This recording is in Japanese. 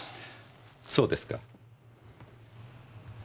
そうですか。